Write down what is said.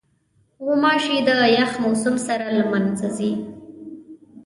غوماشې د یخ موسم سره له منځه ځي.